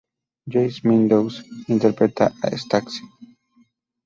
Joyce Meadows interpretaba a Stacy.